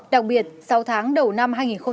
đặc biệt sáu tháng đầu năm hai nghìn hai mươi